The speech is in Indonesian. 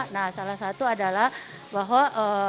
nah salah satu adalah bahwa